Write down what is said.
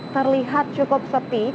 terlihat cukup sepi